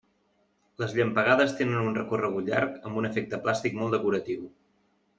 Les llampegades tenen un recorregut llarg amb un efecte plàstic molt decoratiu.